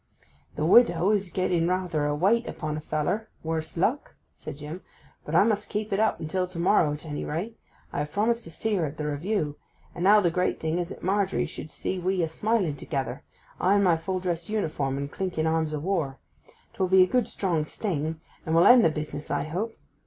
'The widow is getting rather a weight upon a feller, worse luck,' said Jim. 'But I must keep it up until to morrow, at any rate. I have promised to see her at the Review, and now the great thing is that Margery should see we a smiling together—I in my full dress uniform and clinking arms o' war. 'Twill be a good strong sting, and will end the business, I hope.